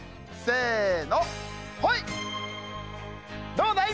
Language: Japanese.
どうだい？